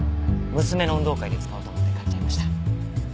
娘の運動会で使おうと思って買っちゃいました。